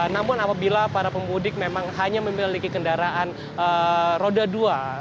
namun apabila para pemudik memang hanya memiliki kendaraan roda dua